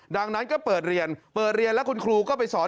ดังนั้นก็เปิดเรียนเปิดเรียนแล้วคุณครูก็ไปสอน